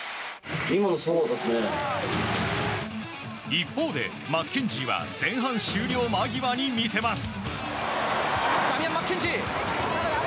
一方でマッケンジーは前半終了間際に見せます。